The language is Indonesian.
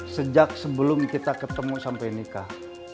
sejak sebelum kita ketemu sampai nikah